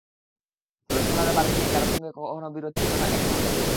রওশন আরার বাড়ি নিয়ে কারও সঙ্গে কখনো বিরোধ ছিল না, এখনো নেই।